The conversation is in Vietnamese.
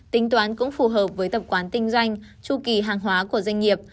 tính toán cũng phù hợp với tập quán kinh doanh chu kỳ hàng hóa của doanh nghiệp